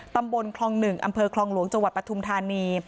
ตำบลคลอง๑อำเภอคลองหลวงจังหวัดปทุมธานี